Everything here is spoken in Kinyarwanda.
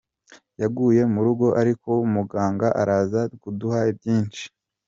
Yaguye mu rugo ariko muganga araza kuduha byinshi.